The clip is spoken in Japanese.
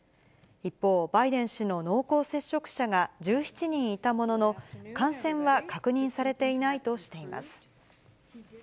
一方、バイデン氏の濃厚接触者が１７人いたものの、感染は確認されていないとしています。